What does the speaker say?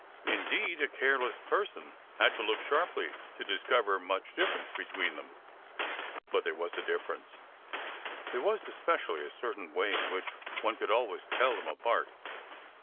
Indeed, a careless person had to look sharply to discover much difference between them. But there was a difference. There was, especially, a certain way in which one could always tell them apart.